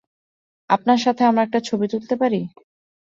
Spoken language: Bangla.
আপনার সাথে আমরা একটা ছবি তুলতে পারি?